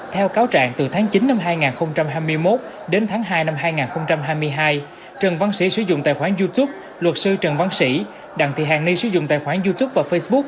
theo cáo trạng từ tháng chín năm hai nghìn hai mươi một đến tháng hai năm hai nghìn hai mươi hai trần văn sĩ sử dụng tài khoản youtube luật sư trần văn sĩ đặng thị hàng ni sử dụng tài khoản youtube và facebook